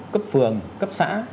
cấp phường cấp xã